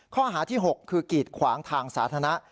ข้อหาที่๖คือกีดขวางทางสาธารณะ